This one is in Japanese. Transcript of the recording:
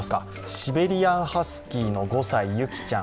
シベリアンハスキーの５歳ユキちゃん